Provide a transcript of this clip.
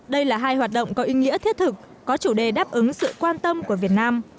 đây là hai hoạt động có ý nghĩa thiết thực có chủ đề đáp ứng sự quan tâm của việt nam